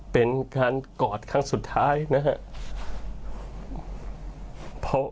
เป็นการกอดครั้งสุดท้ายนะครับ